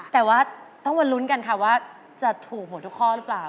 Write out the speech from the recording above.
แต่ว่าต้องมาลุ้นกันค่ะว่าจะถูกหมดทุกข้อหรือเปล่า